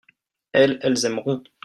elles, elles aimeront.